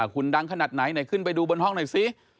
คุณดังขนาดไหนไหนขึ้นไปดูบนห้องหน่อยสิ